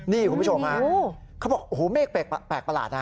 นี่คุณผู้ชมครับเข้าบอกเหมือนเมฆแปลกประหลาดนะ